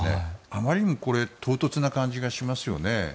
あまりにもこれ、唐突な感じがしますよね。